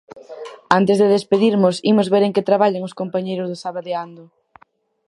Antes de despedirnos imos ver en que traballan os compañeiros do Sabadeando.